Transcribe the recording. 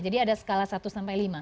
jadi ada skala satu sampai lima